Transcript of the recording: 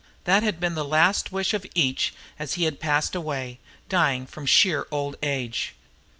That had been the last wish of each as he had passed away, dying from sheer old age.